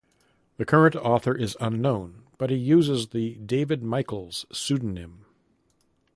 The current author is unknown, but he uses the David Michaels pseudonym.